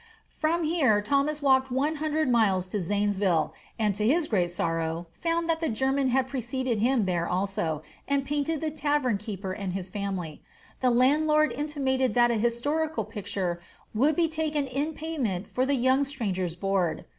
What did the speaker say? From here Thomas walked one hundred miles to Zanesville, and to his great sorrow, found that the German had preceded him here also, and painted the tavern keeper and his family. The landlord intimated that a historical picture would be taken in payment for the young stranger's board.